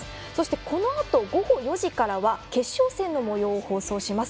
このあと午後４時からは決勝戦のもようを放送します。